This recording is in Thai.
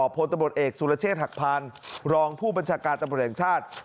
พลตำรวจเอกสุรเชษฐ์หักพานรองผู้บัญชาการตำรวจแห่งชาติ